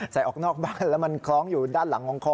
ออกนอกบ้านแล้วมันคล้องอยู่ด้านหลังของคอ